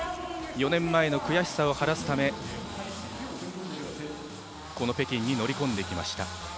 ４年前の悔しさを晴らすためこの北京に乗り込んできました。